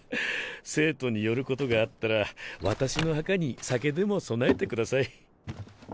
聖都に寄ることがあったら私の墓に酒でも供えてください。